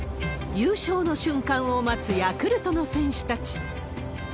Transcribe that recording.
優勝の瞬間を待つヤクルトの選手たち。